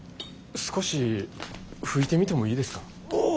少し吹いてみてもいいですか？